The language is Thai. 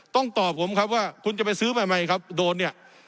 ต้องตอบผมครับว่าคุณจะไปซื้อใหม่ครับโดนเนี่ย